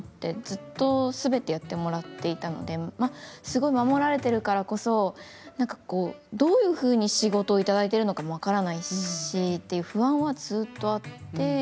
ずっとすべてやってもらっていたのですごい守られているからこそどういうふうに仕事をいただいているのかも分からないしという不安はずっとあって。